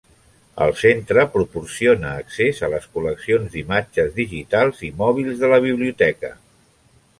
El centre proporciona accés a les col·leccions d'imatges digitals i mòbils de la Biblioteca.